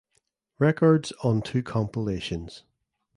Records on two compilations.